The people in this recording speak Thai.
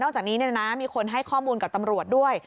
จากนี้มีคนให้ข้อมูลกับตำรวจด้วย